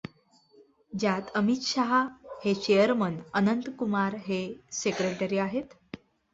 ज्यात अमित शहा हे चेअरमन, अनंत कुमार हे सेक्रेटरी आहेत.